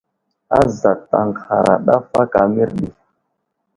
Azat aŋgəhara ɗaf aka mərdi.